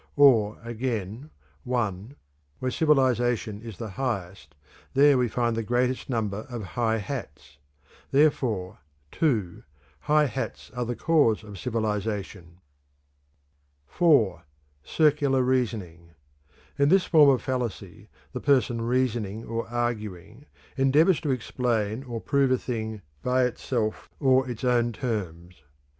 Or, again: (1) Where civilization is the highest, there we find the greatest number of high hats; therefore (2) high hats are the cause of civilization. IV. Circular Reasoning. In this form of fallacy the person reasoning or arguing endeavors to explain or prove a thing by itself or its own terms.